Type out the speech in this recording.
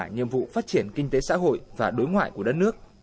nhiệm vụ phát triển kinh tế xã hội và đối ngoại của đất nước